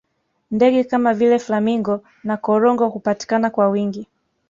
ndege Kama vile flamingo na korongo hupatikana kwa wingi